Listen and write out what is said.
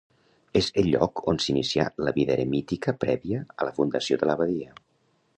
És el lloc on s'inicià la vida eremítica prèvia a la fundació de l'abadia.